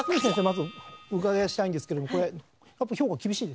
まずお伺いしたいんですけどもこれ評価厳しいですね。